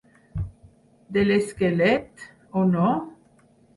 De l'esquelet, o no?